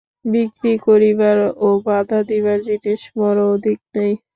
বিক্রি করিবার ও বাঁধা দিবার জিনিষ বড় অধিক নাই।